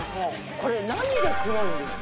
これ何が黒いんですか？